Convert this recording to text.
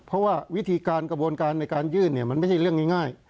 เพราะว่าวิธีการกระบวนการในการยื่นเนี่ยมันไม่ใช่เรื่องง่าย